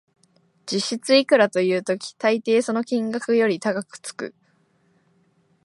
実質いくらという時、たいていその金額より高くつく